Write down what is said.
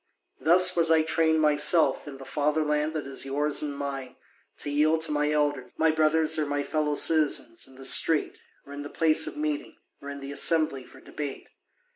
Thus was I trained myself, in the fatherland that is yours and mine, to yield to my elders, my brothers or my fellow citizens, in the street, or in the place of meeting, or in the assembly for debate.